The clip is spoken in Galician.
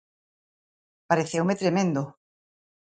Pareceume tremendo.